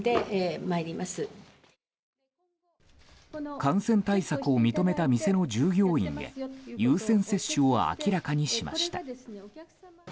感染対策を認めた店の従業員へ優先接種を明らかにしました。